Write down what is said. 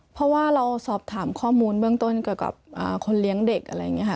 เพราะว่าเราสอบถามข้อมูลเบื้องต้นเกี่ยวกับคนเลี้ยงเด็กอะไรอย่างนี้ค่ะ